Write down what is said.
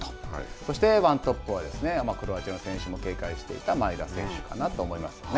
そしてワントップは、クロアチアの選手も警戒していた、前田選手かなと思いますね。